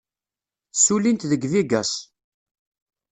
Ssullint deg Vegas.